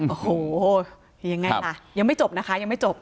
โอ้โหยังไงล่ะยังไม่จบนะคะยังไม่จบ